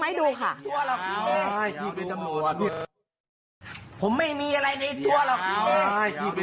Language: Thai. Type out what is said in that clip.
พี่ใครทำร้ายจิตใจใครนะคะแบบนี้